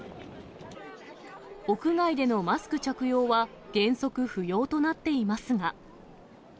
屋外でのマスク着用は原則不要となっていますが。